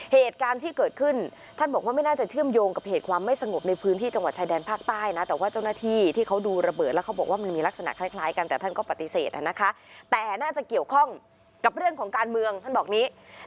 เหตุการณ์ที่เกิดขึ้นไม่น่าจะเชื่อมโยงกับเหตุความไม่สงบในพื้นที่จังหวัดชายดาร์นภาคใต้